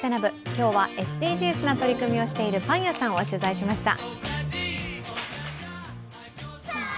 今日はＳＤＧｓな取り組みをしているパン屋さんを取材しました。